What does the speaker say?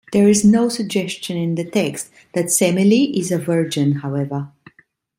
There is no suggestion in the text that Semele is a virgin, however.